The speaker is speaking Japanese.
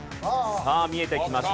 さあ見えてきました